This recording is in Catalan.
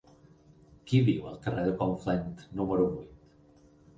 Qui viu al carrer del Conflent número vuit?